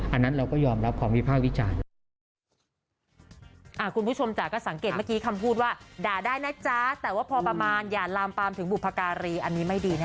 อันนั้นเราก็ยอมรับของวิภาควิจารณ์